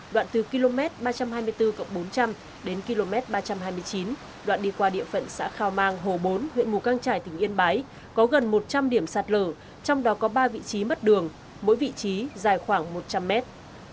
đoạn từ km ba trăm hai mươi bốn bốn trăm linh đến km ba trăm hai mươi chín đoạn đi qua địa phận xã khao mang hồ bốn huyện mù căng trải tỉnh yên bái có gần một trăm linh điểm sạt lở trong đó có ba vị trí mất đường mỗi vị trí dài khoảng một trăm linh mét